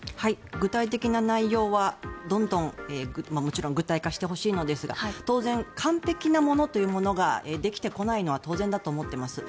具体的な内容はどんどん、もちろん具体化してほしいのですが当然、完璧なものというのができてこないのは当然だと思っています。